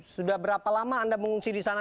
sudah berapa lama anda mengungsi di sana